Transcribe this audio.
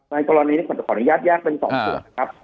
กรณีนี้ผมจะขออนุญาตแยกเป็น๒ส่วนนะครับ